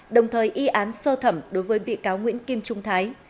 đồng thời y án sơ thẩm đối với bị cáo nguyễn kim trung thái